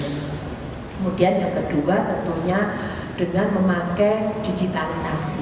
kemudian yang kedua tentunya dengan memakai digitalisasi